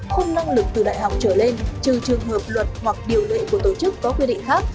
khung năng lực từ đại học trở lên trừ trường hợp luật hoặc điều lệ của tổ chức có quy định khác